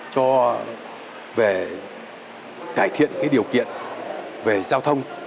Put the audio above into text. cho về cải thiện điều kiện về giao thông